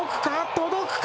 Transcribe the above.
届くか？